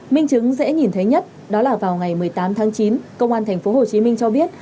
minh chứng dễ nhìn thấy nhất đó là vào ngày một mươi tám tháng chín công an tp hcm cho biết